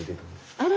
あら！